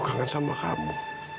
aku kangen sama kamu